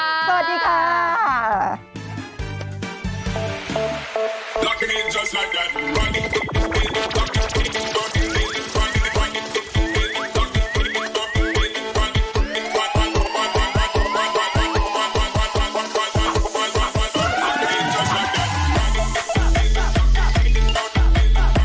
สวัสดีค่ะ